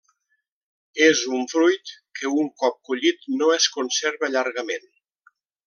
És un fruit que, un cop collit, no es conserva llargament.